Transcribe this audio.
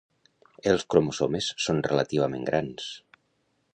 Els cromosomes són relativament grans.